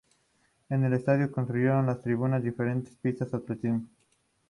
En el estadio construyeron las tribunas diferentes, pistas de atletismo.